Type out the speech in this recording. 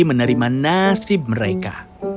menerima nasib mereka